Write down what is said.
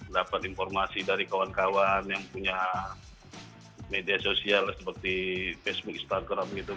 dapat informasi dari kawan kawan yang punya media sosial seperti facebook instagram gitu